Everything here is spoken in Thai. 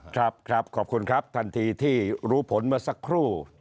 ครับครับขอบคุณครับทันทีที่รู้ผลเมื่อสักครู่